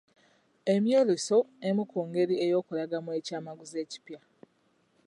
Emyoleso emu ku ngeri ey'okulangamu aky'amaguzi ekipya.